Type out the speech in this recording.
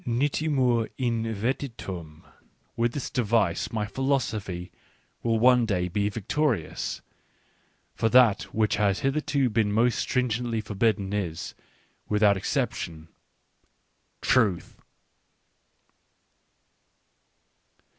.%. Nitimur in vetitum ; with this de vice my philosophy will one day be victorious ; for that which has hitherto been most stringently forbidden is, without exception, Truth.